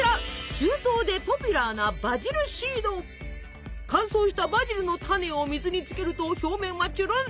中東でポピュラーな乾燥したバジルの種を水につけると表面はちゅるん！